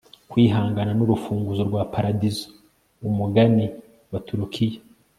kwihangana ni urufunguzo rwa paradizo. - umugani wa turukiya